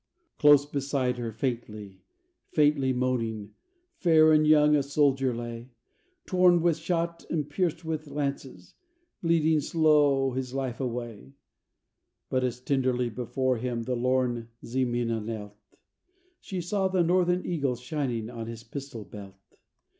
Close beside her, faintly, faintly moaning, fair and young a soldier lay, Torn with shot and pierced with lances, bleeding slow his life away; But, as tenderly before him the lorn Ximena knelt, She saw the Northern eagle shining on his pistol belt.